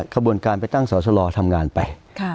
ขบวนการไปตั้งสอสลอทำงานไป